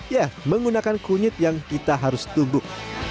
ya menggunakan kunyit yang kita harus tumbuk